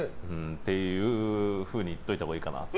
っていうふうに言っておいたほうがいいかなって。